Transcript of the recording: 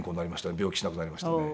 病気しなくなりましたね。